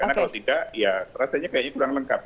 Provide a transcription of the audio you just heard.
karena kalau tidak ya rasanya kayaknya kurang lengkap